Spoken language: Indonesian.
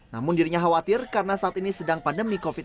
namun dirinya khawatir karena saat ini sedang pandemi covid sembilan belas